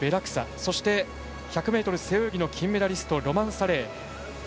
そして１００ｍ背泳ぎの金メダリストロマン・サレイ。